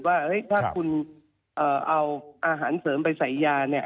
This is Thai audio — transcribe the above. ว่าถ้าคุณเอาอาหารเสริมไปใส่ยาเนี่ย